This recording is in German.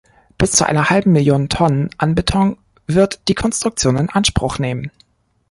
Bis zu einer halben Million Tonnen an Beton wird die Konstruktion in Anspruch nehmen.